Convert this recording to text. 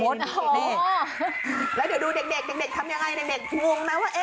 แล้วเดี๋ยวดูเด็กทำยังไงในเด็กมุ่งนะว่า